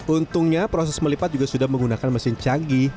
untungnya proses melipat juga sudah menggunakan mesin canggih